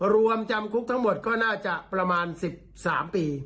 รวมจำคุกทั้งหมดก็น่าจะประมาณ๑๓ปี